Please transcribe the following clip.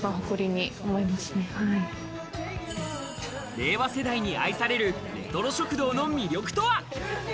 令和世代に愛されるレトロ食堂の魅力とは。